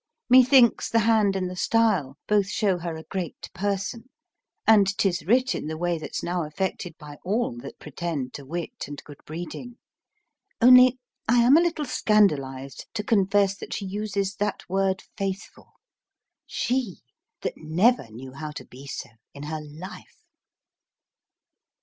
Methinks the hand and the style both show her a great person, and 'tis writ in the way that's now affected by all that pretend to wit and good breeding; only, I am a little scandalized to confess that she uses that word faithful, she that never knew how to be so in her life.